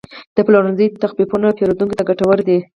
د پلورنځي تخفیفونه پیرودونکو ته ګټور دي.